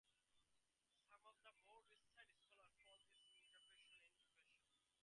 Some of the more recent scholars call this interpretation into question.